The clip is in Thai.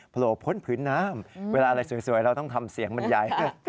โผล่พ้นผืนน้ำเวลาอะไรสวยเราต้องทำเสียงบรรยาย